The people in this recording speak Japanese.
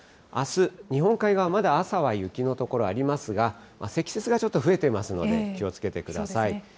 あす、日本海側はまだ朝は雪の所ありますが、積雪がちょっと増えてますので、気をつけてください。